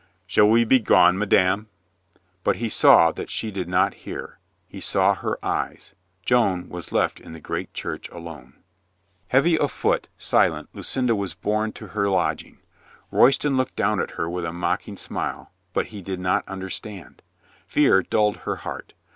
"Shall we be gone, madame?" But he saw that she did not hear, he saw her eyes. Joan was left in the great church alone. Heavy of foot, silent, Lucinda was borne to her lodging. Royston looked down at her with a mock ing smile, but he did not understand. Fear dulled her heart.